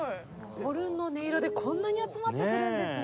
ホルンの音色でこんなに集まってくるんですね。